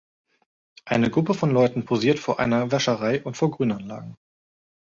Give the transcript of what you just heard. Eine Gruppe von Leuten posiert vor einer Wäscherei und vor Grünanlagen.